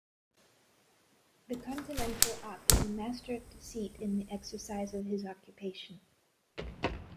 The Continental Op is a master of deceit in the exercise of his occupation.